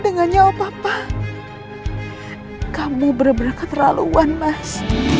dengan nyawa papa kamu benar benar keterlaluan mas